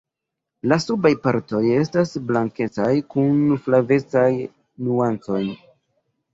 La subaj partoj estas blankecaj kun flavecaj nuancoj.